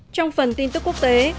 trong phần tin tức quốc tế